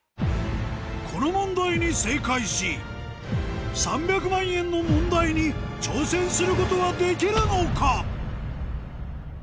この問題に正解し３００万円の問題に挑戦することはできるのか？